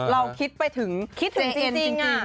เราคิดไปถึงเจนจริงอะ